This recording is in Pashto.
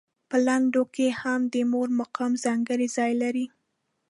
په لنډیو کې هم د مور مقام ځانګړی ځای لري.